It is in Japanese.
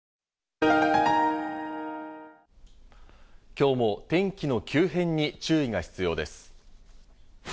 今日も天気の急変に注意が必要です。